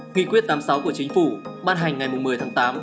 nghị quyết tám mươi sáu của chính phủ ban hành ngày một mươi tháng tám